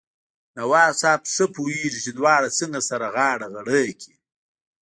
نواب صاحب ښه پوهېږي چې دواړه څنګه سره غاړه غړۍ کړي.